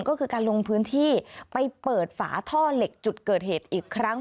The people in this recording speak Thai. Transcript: ก็คือการลงพื้นที่ไปเปิดฝาท่อเหล็กจุดเกิดเหตุอีกครั้ง